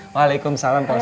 waalaikumsalam pak ustadz